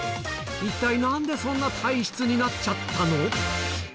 一体なんでそんな体質になっちゃったの？